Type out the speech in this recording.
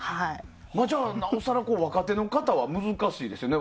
じゃあなおさら若手の方は難しいですよね。